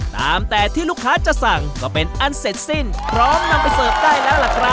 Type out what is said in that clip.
ตามแต่ที่ลูกค้าจะสั่งก็เป็นอันเสร็จสิ้นพร้อมนำไปเสิร์ฟได้แล้วล่ะครับ